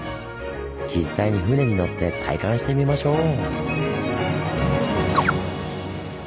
実際に船に乗って体感してみましょう！